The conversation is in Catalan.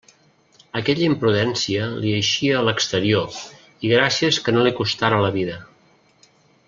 Aquella imprudència li eixia a l'exterior, i gràcies que no li costara la vida.